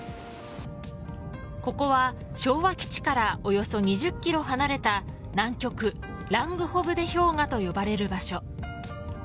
ここは昭和基地からおよそ２０キロ離れた南極、ラングホブデ氷河と呼ばれる場所。